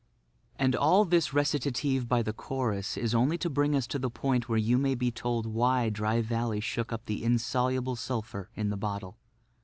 And all this recitative by the chorus is only to bring us to the point where you may be told why Dry Valley shook up the insoluble sulphur in the bottle.